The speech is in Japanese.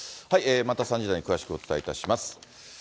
また３時台に詳しくお伝えいたします。